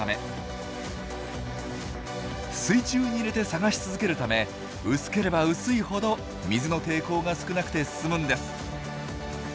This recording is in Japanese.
水中に入れて探し続けるため薄ければ薄いほど水の抵抗が少なくて済むんです。